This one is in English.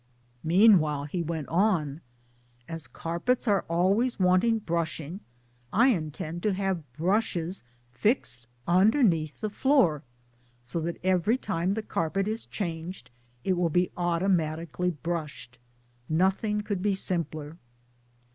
" Meanwhile " he went on *' as carpets are always wanting brushing I intend to have brushes fixed underneath the floor, so that every, time the carpet is changed it will be automatically brushed. Nothing could be simpler."